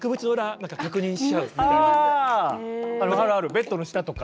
ベッドの下とか。